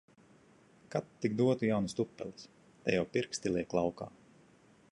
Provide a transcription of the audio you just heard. Ka tik dotu jaunas tupeles! Te jau pirksti liek laukā.